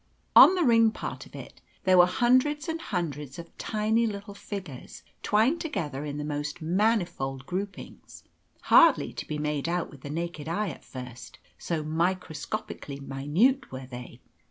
On the ring part of it there were hundreds and hundreds of tiny little figures twined together in the most manifold groupings, hardly to be made out with the naked eye at first, so microscopically minute were they.